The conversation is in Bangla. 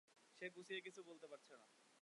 সে গুছিয়ে কিছু বলতে পারছে না।